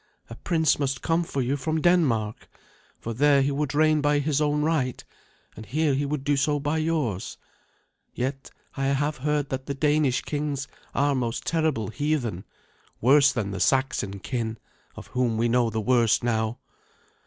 A prince must come for you from Denmark, for there he would reign by his own right, and here he would do so by yours. Yet I have heard that the Danish kings are most terrible heathen, worse than the Saxon kin, of whom we know the worst now.